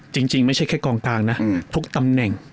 จริงไม่ใช่แค่กองกลางนะทุกตำแหน่ง